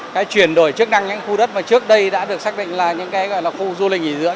cái chuyển đổi chức năng những khu đất mà trước đây đã được xác định là những cái gọi là khu du lịch nghỉ dưỡng